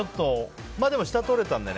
でも下とれたのでね。